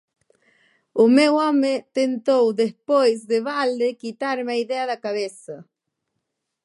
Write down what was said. O meu home tentou despois de balde quitarme a idea da cabeza.